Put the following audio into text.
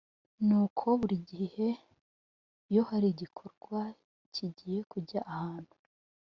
ni uko buri gihe iyo hari igikorwa kigiye kujya ahantu